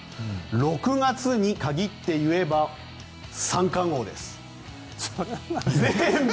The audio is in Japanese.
６月に限って言えば三冠王です。